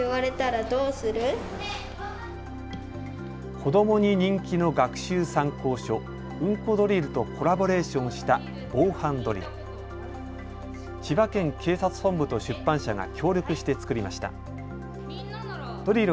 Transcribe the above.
子どもに人気の学習参考書、うんこドリルとコラボレーションした防犯ドリル。